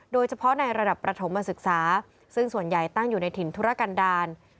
โดยเฉพาะในระดับประถมศึกษาซึ่งส่วนใหญ่ตั้งอยู่ในถิ่นธุรกันดาล